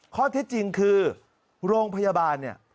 ข้อเท็จจริงคือโรงพยาบาลเนี่ย